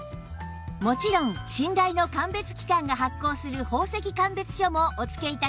もちろん信頼の鑑別機関が発行する宝石鑑別書もお付け致します